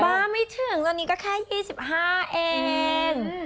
ว่าไม่ถึงตอนนี้ก็แค่๒๕เอง